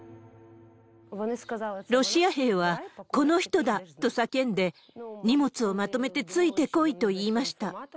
ロシア兵は、この人だ！と叫んで、荷物をまとめてついて来いと言いました。